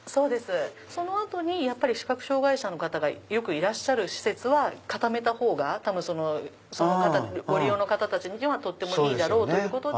その後に視覚障害者の方がいらっしゃる施設固めたほうがご利用の方たちにはとってもいいだろうということで。